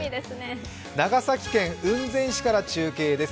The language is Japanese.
長崎県雲仙市から中継です。